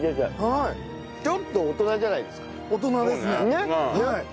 ねっ！